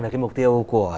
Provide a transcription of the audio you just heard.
về cái mục tiêu của